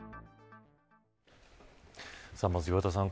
まず岩田さん